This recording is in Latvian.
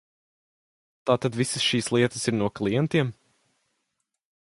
Tātad visas šīs lietas ir no klientiem?